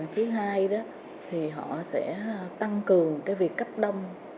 thứ hai đó thì họ sẽ tăng cường cái việc cấp đông